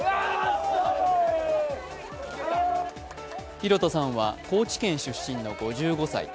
広田さんは高知県出身の５５歳。